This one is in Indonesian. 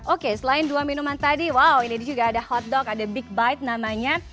oke selain dua minuman tadi wow ini juga ada hotdog ada big bite namanya